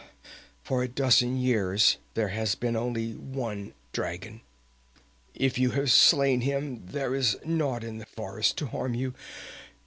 For a dozen years there has been only one dragon. If you have slain him, there is naught in the forest to harm you.